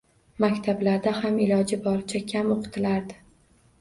Maktablarda ham iloji boricha kam o‘qitilardi.